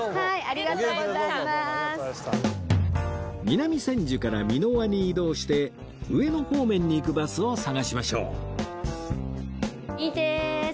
南千住から三ノ輪に移動して上野方面に行くバスを探しましょう